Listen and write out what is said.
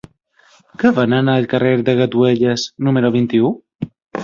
Què venen al carrer de Gatuelles número vint-i-u?